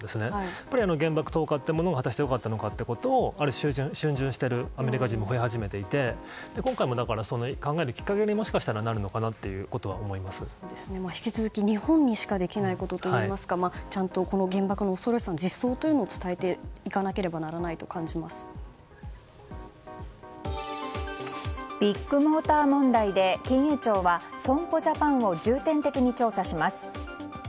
やっぱり原爆投下というものが果たして良かったのかというのが逡巡しているアメリカ人も増え始めていて今回も考えるきっかけになるのかなと引き続き、日本にしかできないことといいますかちゃんとこの原爆の恐ろしさの実相を伝えていかなければならないとビッグモーター問題で金融庁は損保ジャパンを重点的に調査します。